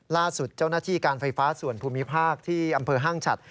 ล่าสุดเจ้าหน้าที่การไฟฟ้าส่วนภูมิภาคที่อำเภอห้างฉัด